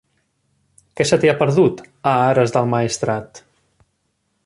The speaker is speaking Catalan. Què se t'hi ha perdut, a Ares del Maestrat?